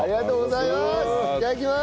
いただきます！